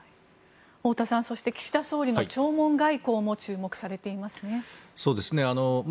太田さんそして岸田総理の弔問外交も注目されていますね。